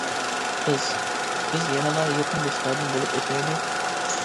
قىز: بىز يەنىلا يېقىن دوستلاردىن بولۇپ ئۆتەيلى.